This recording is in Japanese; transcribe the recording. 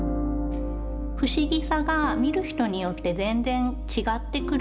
不思議さが見る人によって全然違ってくる。